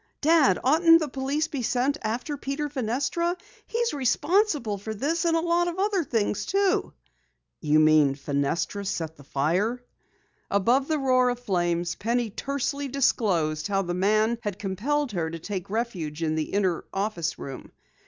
"Dad, oughtn't the police be sent after Peter Fenestra? He's responsible for this, and a lot of other things, too!" "You mean Fenestra set the fire?" Above the roar of flames, Penny tersely disclosed how the man had compelled her to take refuge in the inner office room.